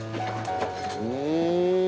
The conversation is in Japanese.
うん！